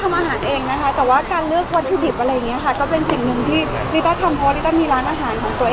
วันนี้ทำเมนูอะไรคะพี่นิตตา